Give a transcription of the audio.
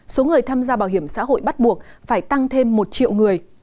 số người tham gia bảo hiểm xã hội bắt buộc phải tăng thêm một triệu người